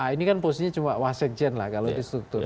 ini kan posisinya cuma wasekjen lah kalau di struktur